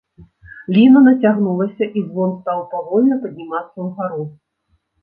Ліна нацягнулася, і звон стаў павольна паднімацца ўгару.